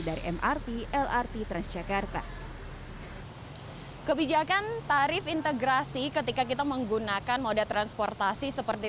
dari mrt lrt transjakarta kebijakan tarif integrasi ketika kita menggunakan moda transportasi seperti